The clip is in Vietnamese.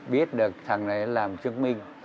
biết được thằng đấy làm chương minh